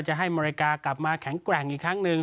จะให้อเมริกากลับมาแข็งแกร่งอีกครั้งหนึ่ง